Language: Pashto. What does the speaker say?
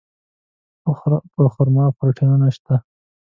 په خرما کې پروټینونه شته.